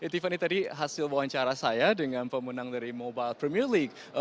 tiffany tadi hasil wawancara saya dengan pemenang dari mobile premier league